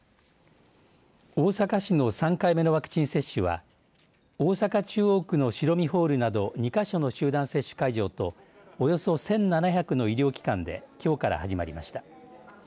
大阪市の３回目のワクチン接種は大阪中央区の城見ホールなど２か所の集団接種会場とおよそ１７００の医療機関できょうから始まりました。